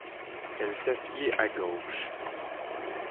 Elle s’assied à gauche.